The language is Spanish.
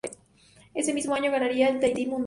Ese mismo año ganaría en Tahití y Mundaca.